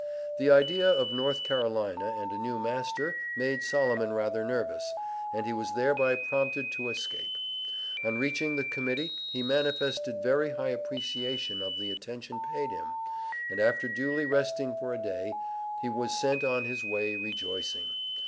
The idea of North Carolina and a new master made Solomon rather nervous, and he was thereby prompted to escape. On reaching the Committee he manifested very high appreciation of the attention paid him, and after duly resting for a day, he was sent on his way rejoicing.